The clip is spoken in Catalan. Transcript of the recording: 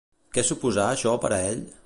Què suposà això per a ell?